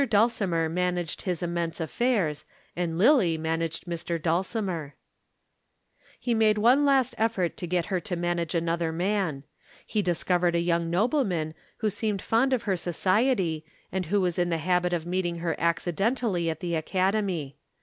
Dulcimer managed his immense affairs and Lillie managed Mr. Dulcimer. He made one last effort to get her to manage another man. He discovered a young nobleman who seemed fond of her society and who was in the habit of meeting her accidentally at the Academy.